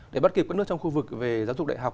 để bắt kịp các nước trong khu vực về giáo dục đại học